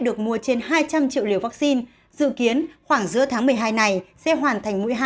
được mua trên hai trăm linh triệu liều vaccine dự kiến khoảng giữa tháng một mươi hai này sẽ hoàn thành mũi hai